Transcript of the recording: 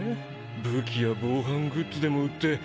武器や防犯グッズでも売って金儲けでも。